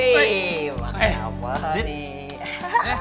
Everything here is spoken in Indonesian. wehh makan apa nih